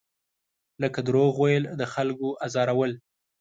لکه دروغ ویل، د خلکو ازارول.